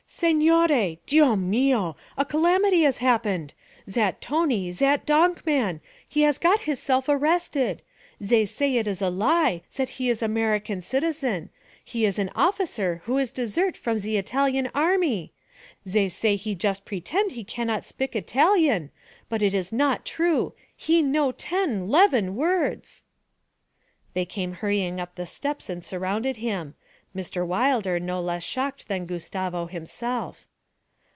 'Signore! Dio mio! A calamity has happened. Zat Tony, zat donk' man! he has got hisself arrested. Zay say it is a lie, zat he is American citizen; he is an officer who is dessert from ze Italian army. Zay say he just pretend he cannot spik Italian but it is not true. He know ten leven words.' They came hurrying up the steps and surrounded him, Mr. Wilder no less shocked than Gustavo himself.